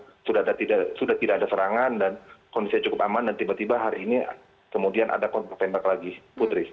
baru jadi selama beberapa hari terakhir kemarin memang sudah tidak ada serangan dan kondisi cukup aman dan tiba tiba hari ini kemudian ada kontak tembak lagi putri